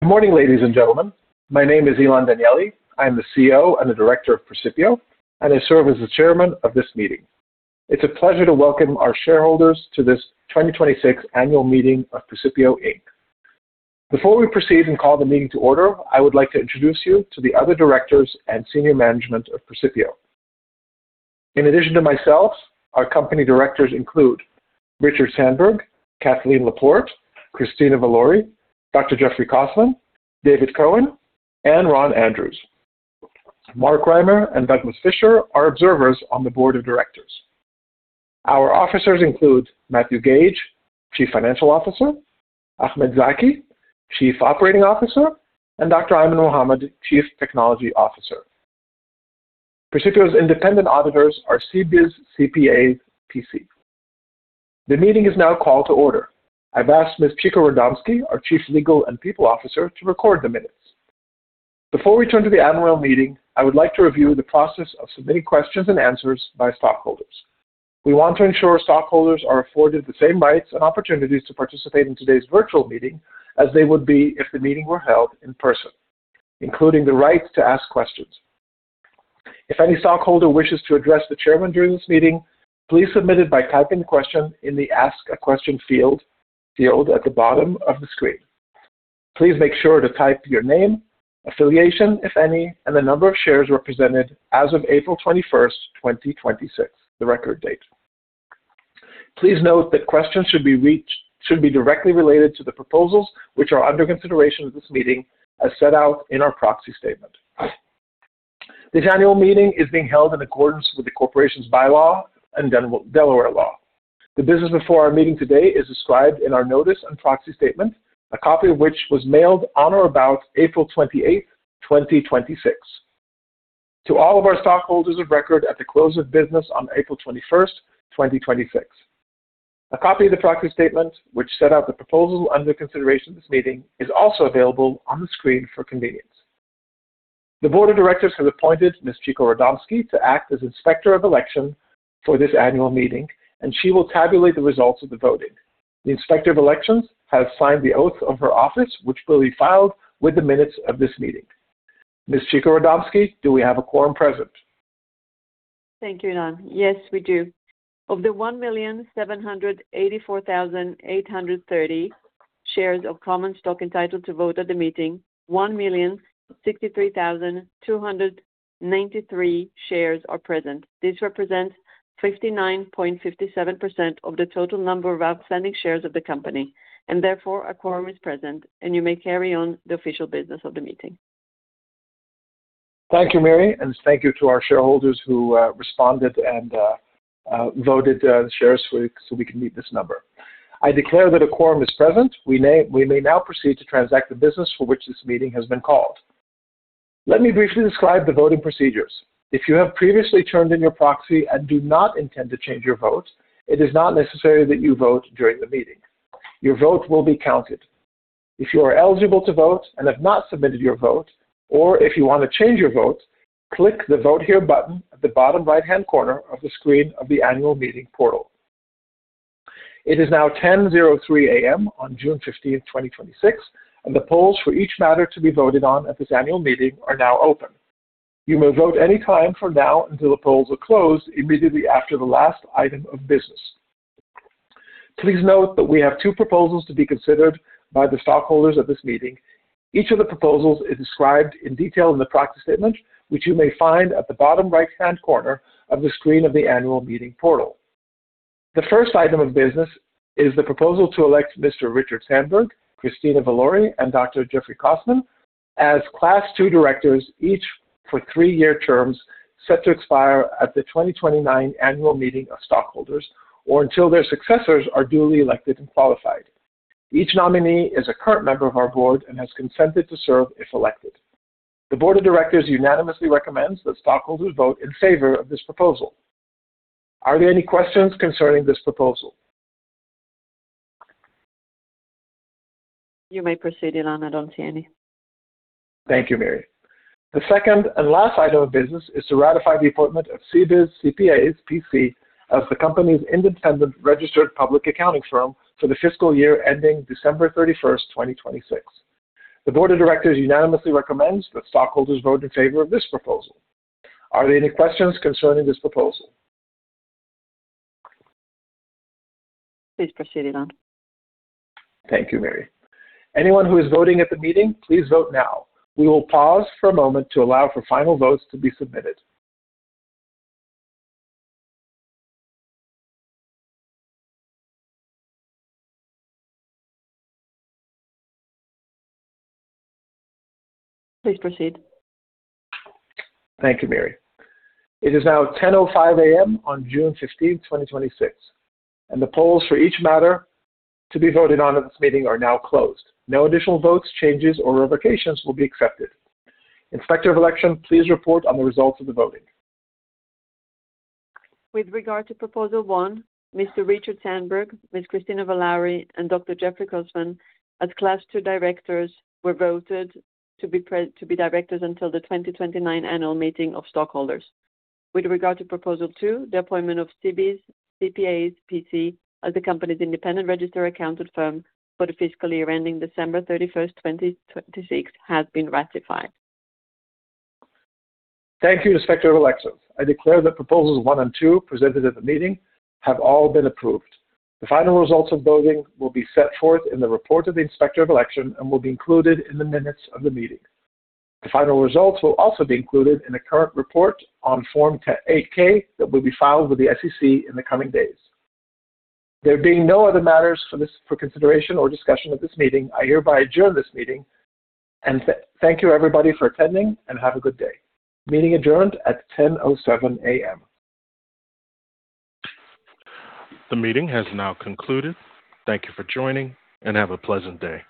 Good morning, ladies and gentlemen. My name is Ilan Danieli. I am the CEO and the Director of Precipio and I serve as the Chairman of this meeting. It is a pleasure to welcome our shareholders to this 2026 annual meeting of Precipio Inc. Before we proceed and call the meeting to order. I would like to introduce you to the other Directors and Senior Management of Precipio. In addition to myself, our company Directors include Richard Sandberg, Kathleen LaPorte, Christina Valauri, Dr. Jeffrey Cossman, David Cohen, and Ron Andrews. Mark Rimer and Douglas Fisher are observers on the Board of Directors. Our Officers include Matthew Gage, Chief Financial Officer, Ahmed Zaki, Chief Operating Officer, and Dr. Ayman Mohamed, Chief Technology Officer. Precipio's independent auditors are CBIZ CPAs, PC. The meeting is now called to order. I have asked Ms. Chiko Radomski, our Chief Legal and People Officer to record the minutes. Before we turn to the annual meeting. I would like to review the process of submitting questions and answers by stockholders. We want to ensure stockholders are afforded the same rights and opportunities to participate in today's virtual meeting as they would be if the meeting were held in person, including the right to ask questions. If any stockholder wishes to address the Chairman during this meeting, please submit it by typing the question in the Ask a Question field at the bottom of the screen. Please make sure to type your name, affiliation, if any and the number of shares represented as of April 21st, 2026, the record date. Please note that questions should be directly related to the proposals which are under consideration at this meeting as set out in our proxy statement. This annual meeting is being held in accordance with the corporation's bylaw and Delaware law. The business before our meeting today is described in our notice and proxy statement a copy of which was mailed on or about April 28th, 2026, to all of our stockholders of record at the close of business on April 21st, 2026. A copy of the proxy statement, which set out the proposal under consideration of this meeting is also available on the screen for convenience. The Board of Directors have appointed Ms. Chiko Radomski to act as Inspector of Election for this annual meeting. She will tabulate the results of the voting. The Inspector of Election has signed the oath of her office, which will be filed with the minutes of this meeting. Ms. Chiko Radomski, do we have a quorum present? Thank you, Ilan. Yes, we do. Of the 1,784,830 shares of common stock entitled to vote at the meeting, 1,063,293 shares are present. This represents 59.57% of the total number of outstanding shares of the company. Therefore, a quorum is present and you may carry on the official business of the meeting. Thank you, Miri and thank you to our shareholders who responded and voted shares so we can meet this number. I declare that a quorum is present. We may now proceed to transact the business for which this meeting has been called. Let me briefly describe the voting procedures. If you have previously turned in your proxy and do not intend to change your vote, it is not necessary that you vote during the meeting. Your vote will be counted. If you are eligible to vote and have not submitted your vote or if you want to change your vote, click the Vote here button at the bottom right-hand corner of the screen of the annual meeting portal. It is now 10:03 A.M. on June 15th, 2026, and the polls for each matter to be voted on at this annual meeting are now open. You may vote any time from now until the polls are closed immediately after the last item of business. Please note that we have two proposals to be considered by the stockholders at this meeting. Each of the proposals is described in detail in the proxy statement, which you may find at the bottom right-hand corner of the screen of the annual meeting portal. The first item of business is the proposal to elect Mr. Richard Sandberg, Christina Valauri, and Dr. Jeffrey Cossman as Class II directors, each for three-year terms set to expire at the 2029 annual meeting of stockholders or until their successors are duly elected and qualified. Each nominee is a current member of our board and has consented to serve if elected. The board of directors unanimously recommends that stockholders vote in favor of this proposal. Are there any questions concerning this proposal? You may proceed, Ilan. I don't see any. Thank you, Miri. The second and last item of business is to ratify the appointment of CBIZ CPAs P.C. as the company's independent registered public accounting firm for the fiscal year ending December 31st, 2026. The board of directors unanimously recommends that stockholders vote in favor of this proposal. Are there any questions concerning this proposal? Please proceed, Ilan. Thank you, Miri. Anyone who is voting at the meeting. Please vote now. We will pause for a moment to allow for final votes to be submitted. Please proceed. Thank you, Miri. It is now 10:05 A.M. on June 15th, 2026, and the polls for each matter to be voted on at this meeting are now closed. No additional votes, changes, or revocations will be accepted. Inspector of Election. Please report on the results of the voting. With regard to Proposal One, Mr. Richard Sandberg, Ms. Christina Valauri, and Dr. Jeffrey Cossman, as Class II directors, were voted to be directors until the 2029 annual meeting of stockholders. With regard to Proposal Two the appointment of CBIZ CPAs, PC as the company's independent registered accounting firm for the fiscal year ending December 31st, 2026, has been ratified. Thank you, Inspector of Election. I declare that Proposals One and Two presented at the meeting have all been approved. The final results of voting will be set forth in the report of the Inspector of Election and will be included in the minutes of the meeting. The final results will also be included in a current report on Form 8-K that will be filed with the SEC in the coming days. There being no other matters for consideration or discussion at this meeting. I hereby adjourn this meeting. Thank you everybody for attending and have a good day. Meeting adjourned at 10:07 A.M. The meeting has now concluded. Thank you for joining and have a pleasant day.